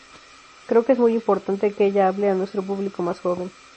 Creo que es muy importante que ella hable a nuestro público más joven.